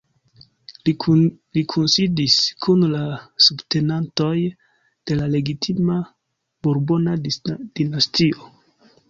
Li kunsidis kun la subtenantoj de la legitima burbona dinastio.